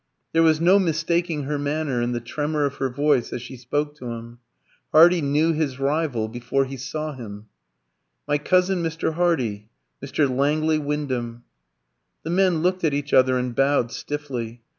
There was no mistaking her manner and the tremor of her voice as she spoke to him. Hardy knew his rival before he saw him. "My cousin Mr. Hardy; Mr. Langley Wyndham." The men looked at each other and bowed stiffly.